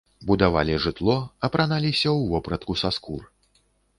Будавалі жытло, апраналіся ў вопратку са скур.